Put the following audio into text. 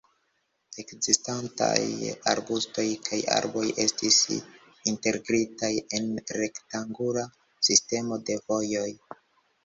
Ekzistantaj arbustoj kaj arboj estis integritaj en rektangula sistemo de vojoj.